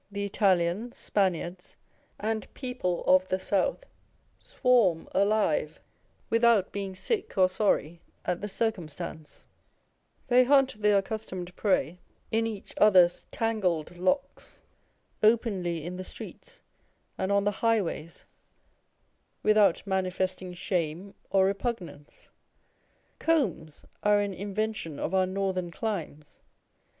The Italians, Spaniards, and people of the South swarm alive without being sick or sorry at the circumstance : they hunt the accustomed prey in each other's tangled locks openly in the streets and on the highways, without manifesting shame or repugnance : combs are an invention of our Northern climes.